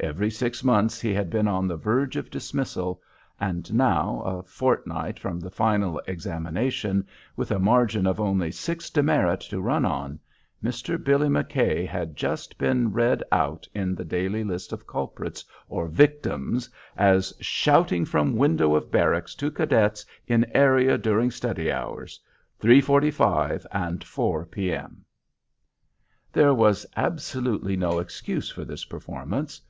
Every six months he had been on the verge of dismissal, and now, a fortnight from the final examination, with a margin of only six demerit to run on, Mr. Billy McKay had just been read out in the daily list of culprits or victims as "Shouting from window of barracks to cadets in area during study hours, three forty five and four P.M." There was absolutely no excuse for this performance.